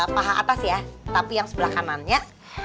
paha atas ya tapi yang sebelah kanannya